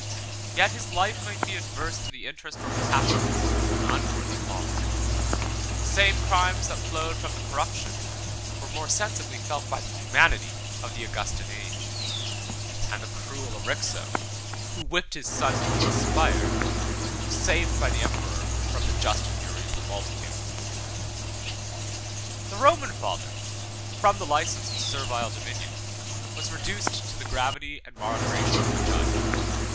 Yet his life might be adverse to the interest or passions of an unworthy father: the same crimes that flowed from the corruption, were more sensibly felt by the humanity, of the Augustan age; and the cruel Erixo, who whipped his son till he expired, was saved by the emperor from the just fury of the multitude. 109 The Roman father, from the license of servile dominion, was reduced to the gravity and moderation of a judge.